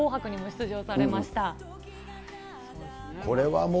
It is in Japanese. これは？